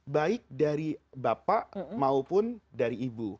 baik dari bapak maupun dari ibu